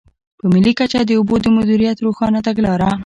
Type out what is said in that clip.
په ملي کچه د اوبو د مدیریت روښانه تګلاره.